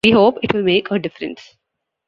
We hope it will make a difference.